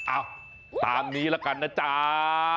อ้าวตามนี้ละกันนะจ๊ะ